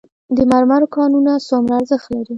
د مرمرو کانونه څومره ارزښت لري؟